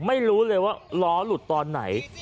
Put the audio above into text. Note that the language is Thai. ไม่รู้เลยว่าล้อหลุดตอนไหน